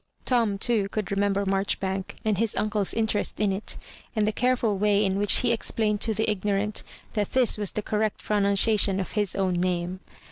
Tom, too, could remem ber Marchbank, and his uncle's interest in it, and the careful way in which he explained to the ignorant that this was the correct pronun ciation of his own name.